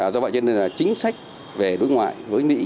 do vậy chính sách về nước ngoài với mỹ